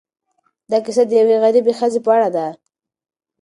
دا کيسه د یوې غریبې ښځې په اړه ده.